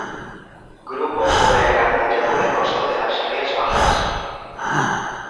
Grupo sobre el artillado de costa de las Rías Bajas